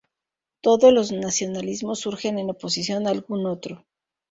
Todos los nacionalismos surgen en oposición a algún "otro".